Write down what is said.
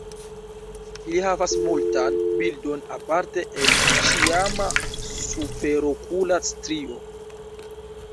Ili havas malmultan bildon aparte el ĉiama superokula strio.